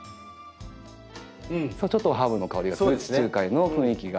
ちょっとハーブの香りがする地中海の雰囲気が。